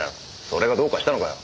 それがどうかしたのかよ？